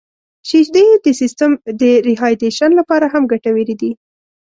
• شیدې د سیستم د ریهایدریشن لپاره هم ګټورې دي.